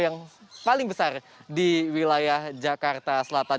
yang paling besar di wilayah jakarta selatan